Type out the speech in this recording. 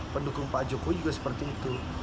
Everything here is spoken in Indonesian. pendukung pak jokowi juga seperti itu